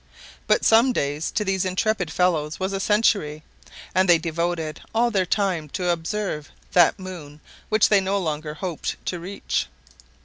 But some days to these intrepid fellows was a century; and they devoted all their time to observe that moon which they no longer hoped to reach.